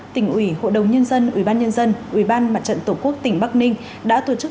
tỉnh ủy hộ đồng nhân dân ủy ban nhân dân ủy ban mặt trận tổ quốc tỉnh bắc ninh đã tổ chức